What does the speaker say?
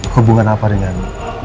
hubungan apa dengan